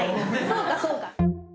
そうかそうか。